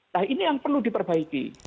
nah ini yang perlu diperbaiki